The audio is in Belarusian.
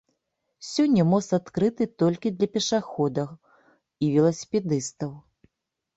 Сёння мост адкрыты толькі для пешаходаў і веласіпедыстаў.